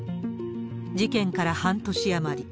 事件から半年余り。